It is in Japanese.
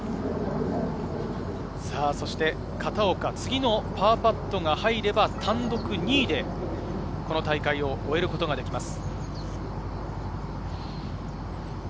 そして片岡、次のパーパットが入れば、単独２位で、この大会を終えることができます。